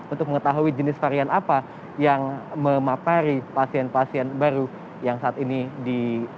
untuk mengetahui jenis varian apa yang memapari pasien pasien baru yang saat ini di